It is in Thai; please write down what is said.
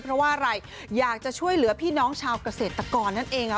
เพราะว่าอะไรอยากจะช่วยเหลือพี่น้องชาวเกษตรกรนั่นเอง